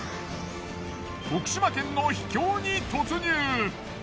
徳島県の秘境に突入。